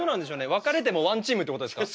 別れてもワンチームってことですか？